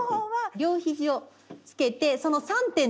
両肘をつけてその３点で。